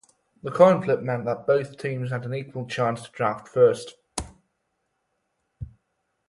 The coin flip meant that both teams had an equal chance to draft first.